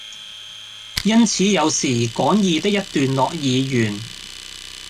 因此有時講義的一段落已完，